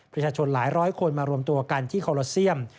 ประชาชนหลายร้อยคนมารวมตัวกันที่คอลโลเซียม